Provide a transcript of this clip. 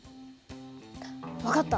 分かった。